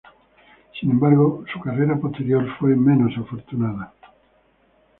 Sin embargo, su carrera posterior fue menos afortunada.